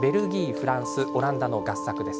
フランス、オランダの合作です。